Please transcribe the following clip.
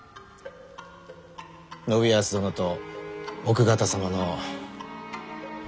信康殿と奥方様の。